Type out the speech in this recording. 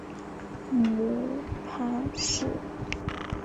母潘氏。